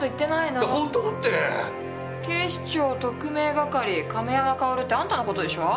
警視庁特命係亀山薫ってあんたのことでしょう？